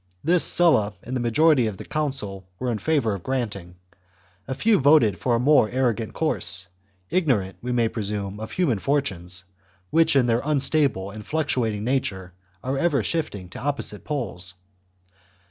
This Sulla and the majority of the council were in favour of granting ; a few voted for a more arrogant course, ignorant, we may presume, of human fortunes, which in their unstable and fluctuat ing nature are ever shifting to opposite poles.